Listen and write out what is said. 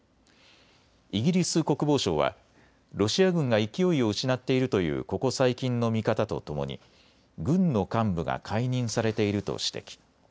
イギリス国防省はロシア軍が勢いを失っているというここ最近の見方とともに軍の幹部が解任されていると指摘。